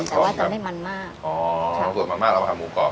สันคอแต่ว่าจะไม่มันมากอ๋อใช้ส่วนมันมากแล้วค่ะหมูกรอบ